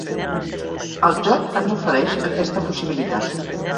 El joc ens ofereix aquesta possibilitat.